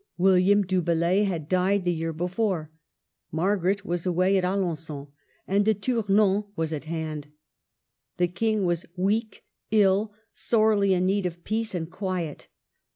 William du Bellay had died the year before. Margaret was away at Alengon, and De Tournon was at hand. The King was weak, ill, sorely in need of peace and quiet.